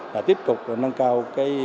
là tiếp tục nâng cao